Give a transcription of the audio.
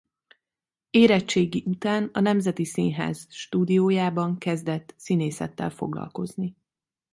Érettségi után a Nemzeti Színház Stúdiójában kezdett színészettel foglalkozni.